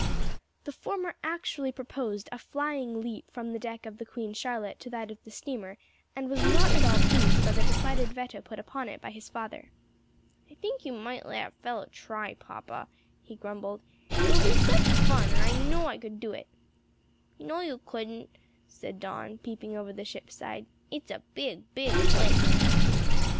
The former actually proposed a flying leap from the deck of the Queen Charlotte to that of the steamer and was not at all pleased by the decided veto put upon it by his father. "I think you might let a fellow try, papa," he grumbled, "it would be such fun and I know I could do it." "No, you couldna," said Don, peeping over the ship's side, "it's a big, big place."